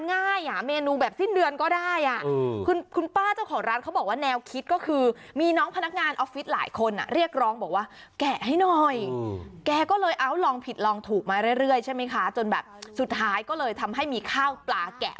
น้ำปลาพริกเนี่ยมันเท่าไหร่อ่ะ